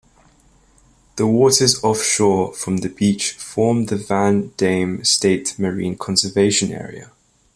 The waters offshore from the beach form the Van Damme State Marine Conservation Area.